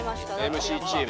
ＭＣチーム。